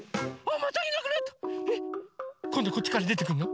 こんどこっちからでてくるの？